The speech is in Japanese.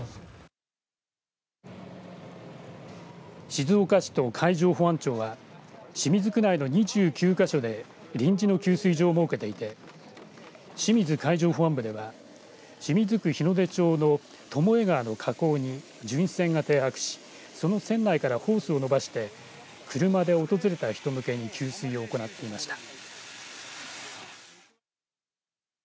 静岡市と海上保安庁は清水区内の２９か所で臨時の給水所を設けていて清水海上保安部では清水区日の出町の巴川の河口に巡視船が停泊しその船内からホースを伸ばして車で訪れた人向けに給水を行っていました。